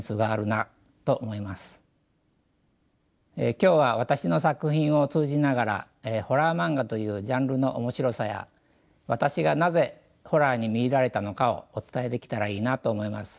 今日は私の作品を通じながらホラー漫画というジャンルの面白さや私がなぜホラーにみいられたのかをお伝えできたらいいなと思います。